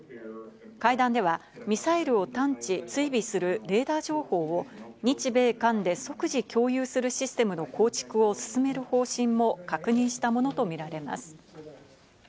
会談では、ミサイルを探知・追尾するレーダー情報を日米間で即時共有するシステムの構築を進める方針も確認したものと見られます。